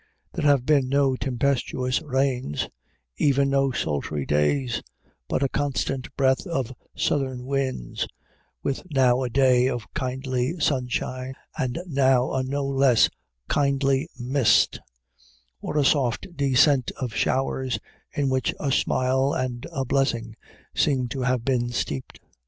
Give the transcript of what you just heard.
There have been no tempestuous rains even no sultry days but a constant breath of southern winds, with now a day of kindly sunshine, and now a no less kindly mist, or a soft descent of showers, in which a smile and a blessing seemed to have been steeped.